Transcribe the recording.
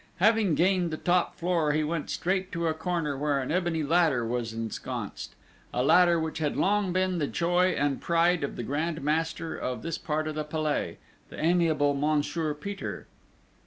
Having gained the top floor, he went straight to a corner where an ebony ladder was ensconced, a ladder which had long been the joy and pride of the grand master of this part of the Palais, the amiable Monsieur Peter.